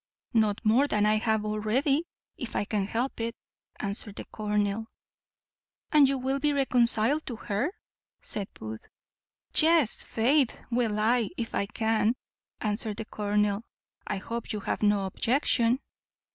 "Not more than I have already, if I can help it," answered the colonel. "And you will be reconciled to her?" said Booth. "Yes, faith! will I, if I can," answered the colonel; "I hope you have no objection."